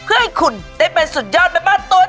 อือฮือ